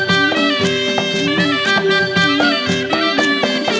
โปรดติดตามต่อไป